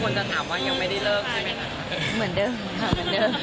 ทุกคนจะถามว่ายังไม่ได้เลิกใช่ไหมคะ